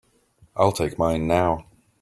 I'll take mine now.